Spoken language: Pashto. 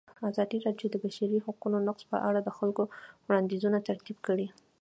ازادي راډیو د د بشري حقونو نقض په اړه د خلکو وړاندیزونه ترتیب کړي.